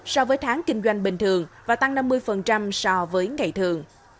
so với tháng kinh doanh bình thường và tăng năm mươi so với ngày thường